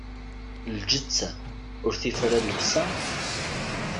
Lǧetta, ur tif ara llebsa?